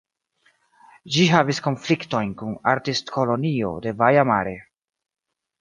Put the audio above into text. Ĝi havis konfliktojn kun Artistkolonio de Baia Mare.